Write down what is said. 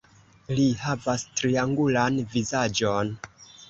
Li havas triangulan vizaĝon.